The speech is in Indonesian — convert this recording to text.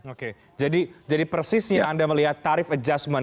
oke jadi persisnya anda melihat tarif adjustment